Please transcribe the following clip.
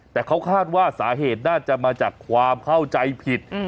แต่เขาคาดว่าสาเหตุน่าจะมาจากความเข้าใจผิด